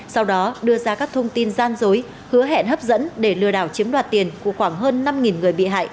sau đó đưa ra các thông tin gian dối hứa hẹn hấp dẫn để lừa đảo chiếm đoạt tiền của khoảng hơn năm người bị hại